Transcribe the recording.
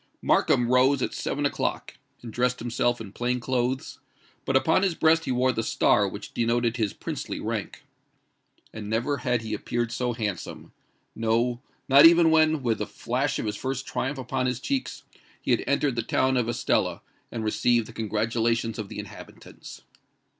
Markham rose at seven o'clock, and dressed himself in plain clothes; but upon his breast he wore the star which denoted his princely rank. And never had he appeared so handsome;—no—not even when, with the flash of his first triumph upon his cheeks, he had entered the town of Estella and received the congratulations of the inhabitants.